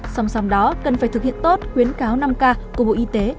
song song đó cần phải thực hiện tốt khuyến cáo năm k của bộ y tế